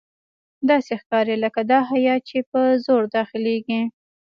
داسې ښکاري لکه دا هیات چې په زور داخليږي.